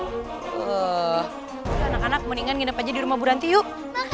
eh udah anak anak mendingan nginep aja di rumah bu ranti yuk